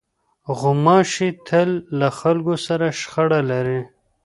غوماشې تل له خلکو سره شخړه لري.